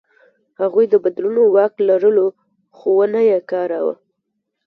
هغوی د بدلونو واک لرلو، خو ونه یې کاراوه.